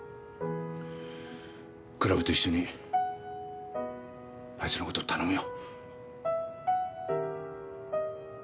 クラブと一緒にあいつのことを頼むよ。